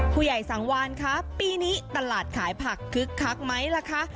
ผู้ใหญ่สังวานคะปีนี้ตลาดขายผักคึกคักไหมล่ะคะ